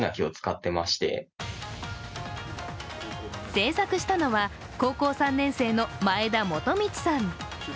制作したのは高校３年生の前田求道さん。